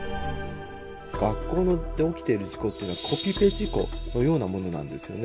学校で起きている事故っていうのはコピペ事故のようなものなんですよね。